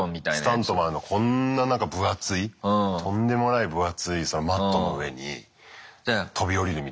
スタントマンのこんななんか分厚いとんでもない分厚いそのマットの上に飛び降りるみたいな。